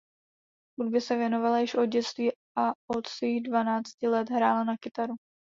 Hudbě se věnovala již od dětství a od svých dvanácti let hrála na kytaru.